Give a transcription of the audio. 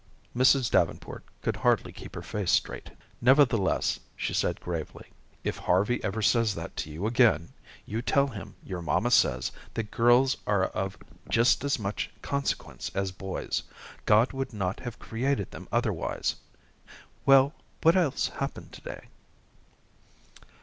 '" Mrs. Davenport could hardly keep her face straight; nevertheless, she said gravely: "If Harvey ever says that to you again, you tell him your mamma says that girls are of just as much consequence as boys. God would not have created them otherwise. Well, what else happened to day?"